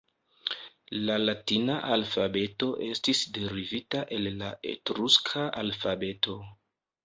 La Latina alfabeto estis derivita el la Etruska alfabeto.